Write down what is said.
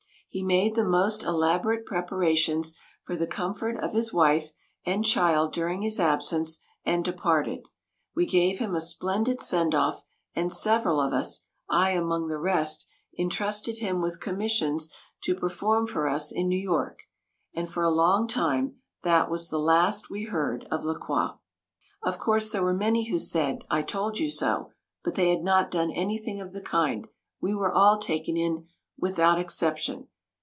He made the most elaborate preparations for the comfort of his wife and child during his absence, and departed. We gave him a splendid send off, and several of us, I among the rest, entrusted him with commissions to perform for us in New York, and for a long time that was the last we heard of La Croix. Of course, there were many who said, "I told you so," but they had not done anything of the kind; we were all taken in without exception.